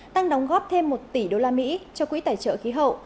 đang đóng góp thêm một tỷ đô la mỹ cho quỹ tài trợ khí hậu